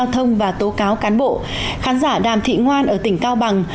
thông và tố cáo cán bộ khán giả đàm thị ngoan ở tỉnh cao bằng